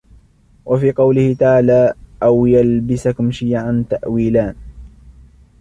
وَفِي قَوْله تَعَالَى أَوْ يَلْبِسَكُمْ شِيَعًا تَأْوِيلَانِ